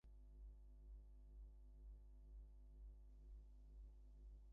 While a student, McClintock earned a living as a signwriter and advertising artist.